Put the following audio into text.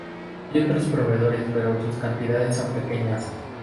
Hay otros proveedores, pero sus cantidades son pequeñas.